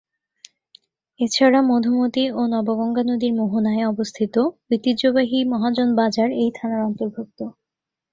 এছাড়া মধুমতি ও নবগঙ্গা নদীর মোহনায় অবস্থিত ঐতিহ্যবাহী মহাজন বাজার এই থানার অন্তর্ভুক্ত।